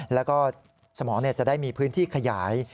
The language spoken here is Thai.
แล้วก็สมองจะได้มีพื้นที่ขยาย